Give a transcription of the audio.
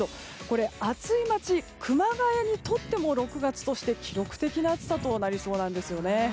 暑い街、熊谷にとっても６月として記録的な暑さとなりそうです。